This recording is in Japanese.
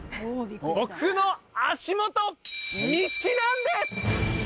僕の足元道なんです！